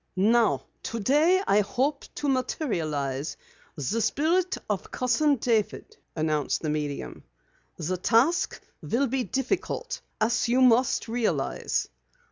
"Now today I hope to materialize the Spirit of Cousin David," announced the medium. "The task will be difficult, as you must realize.